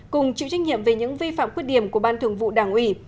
cùng chịu trách nhiệm về những vi phạm khuyết điểm của ban thường vụ đảng ủy